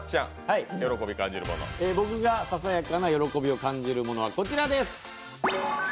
僕がささやかな喜びを感じるものはこちらです。